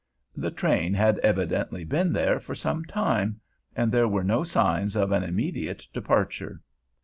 The train had evidently been there for some time, and there were no signs of an immediate departure.